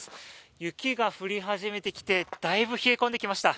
雪が降り始めてきて大分冷え込んできました。